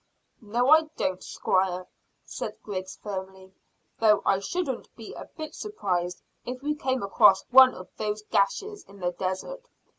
"No, I don't, squire," said Griggs firmly, "though I shouldn't be a bit surprised if we came across one of those gashes in the desert.